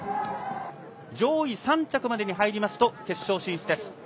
上位３着までに入りますと決勝進出です。